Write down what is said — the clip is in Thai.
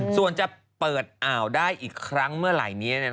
ส่วนจะเปิดอ่าวได้อีกครั้งเมื่อไหร่นี้